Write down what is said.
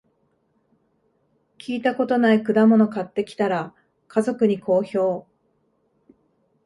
聞いたことない果物買ってきたら、家族に好評